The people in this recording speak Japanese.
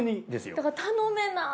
だから頼めない。